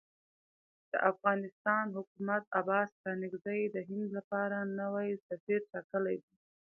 د افغانستان حکومت عباس ستانکزی د هند لپاره نوی سفیر ټاکلی دی.